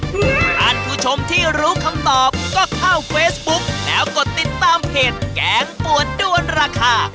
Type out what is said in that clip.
ท่านผู้ชมที่รู้คำตอบก็เข้าเฟซบุ๊กแล้วกดติดตามเพจแกงปวดด้วนราคา